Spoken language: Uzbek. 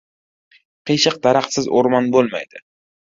• Qiyshiq daraxtsiz o‘rmon bo‘lmaydi.